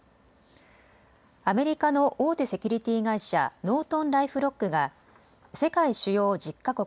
アメリカの大手セキュリティー会社、ノートンライフロックが世界主要１０か国